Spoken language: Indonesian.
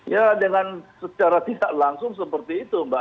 ya dengan secara tidak langsung seperti itu mbak